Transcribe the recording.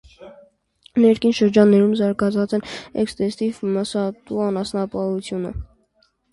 Ներքին շրջաններում զարգացած է էքստենսիվ մսատու անասնապահությունը։